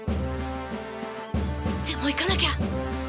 でも行かなきゃ。